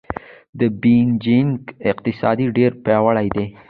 د بېجینګ اقتصاد ډېر پیاوړی دی.